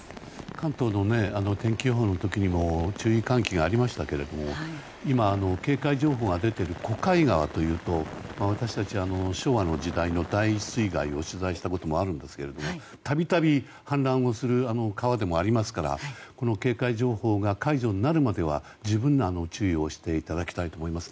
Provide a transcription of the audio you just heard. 関東の天気予報の時にも注意喚起がありましたけども今、警戒情報が出ている小貝川というと私たち、昭和の時代の大水害を取材したこともあるんですけどもたびたび氾濫をする川でもありますからこの警戒情報が解除になるまでは十分注意をしていただきたいと思います。